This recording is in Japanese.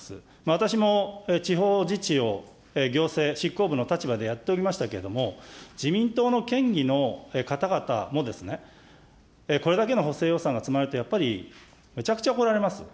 私も地方自治を行政、執行部の立場でやっておりましたけれども、自民党の県議の方々も、これだけの補正予算が積まれると、やっぱりめちゃくちゃ怒られます。